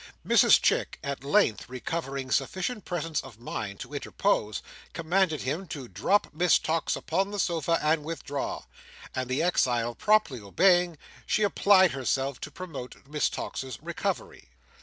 Mrs Chick, at length recovering sufficient presence of mind to interpose, commanded him to drop Miss Tox upon the sofa and withdraw; and the exile promptly obeying, she applied herself to promote Miss Tox's recovery.